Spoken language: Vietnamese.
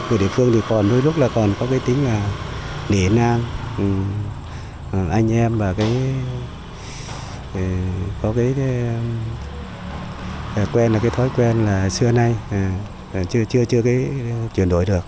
người địa phương thì đôi lúc là còn có cái tính là điện an anh em và cái có cái thói quen là xưa nay chưa chuyển đổi được